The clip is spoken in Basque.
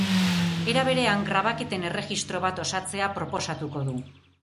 Era berean, grabaketen erregistro bat osatzea proposatuko du.